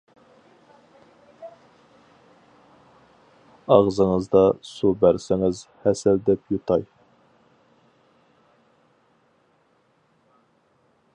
ئاغزىڭىزدا سۇ بەرسىڭىز، ھەسەل دەپ يۇتاي.